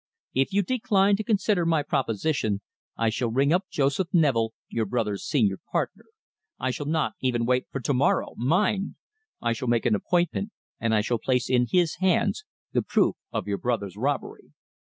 If you decline to consider my proposition, I shall ring up Joseph Neville, your brother's senior partner. I shall not even wait for to morrow, mind. I shall make an appointment, and I shall place in his hands the proof of your brother's robbery."